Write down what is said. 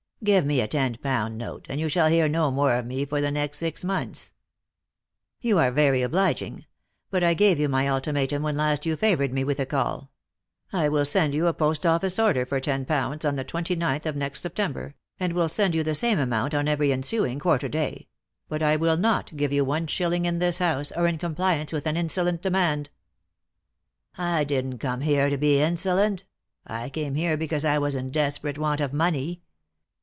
Give me a ten pound note, and you shall hear no more of me for the next six months." " You are very obliging ; but I gave you my ultimatum when last you favoured me with a call. I will send you a post office order for ten pounds on the twenty ninth of next September, and will send you the same amount on every ensuing quarter day ; but I will not give you one shilling in this house, or in compliance with an insolent demand." " I didn't come here to be insolent ; I came here because I was in desperate want of money.